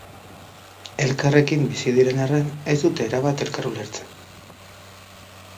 Elkarrekin bizi diren arren, ez dute erabat elkar ulertzen.